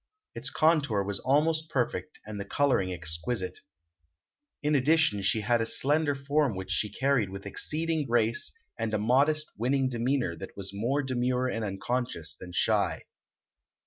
Its contour was almost perfect and the coloring exquisite. In addition she had a slender form which she carried with exceeding grace and a modest, winning demeanor that was more demure and unconscious than shy.